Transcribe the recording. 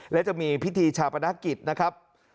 และจะมีพิธีชาปนกิจนะครับ